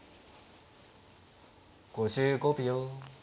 ５５秒。